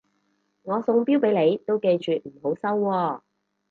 我送錶俾你都記住唔好收喎